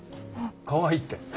「かわいい」って。